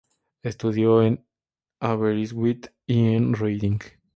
Estudia en Aberystwyth y en Reading.